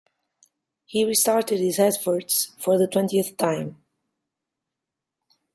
He restarted his efforts for the twentieth time.